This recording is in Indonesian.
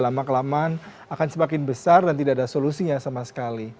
lama kelamaan akan semakin besar dan tidak ada solusinya sama sekali